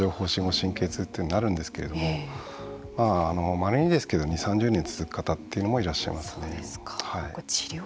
神経痛となるんですけれどもまれにですけれども２０３０年続く方もいらっしゃいます。